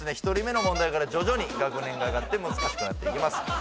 １人目の問題から徐々に学年が上がって難しくなっていきます